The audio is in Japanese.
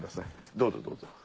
どうぞどうぞ。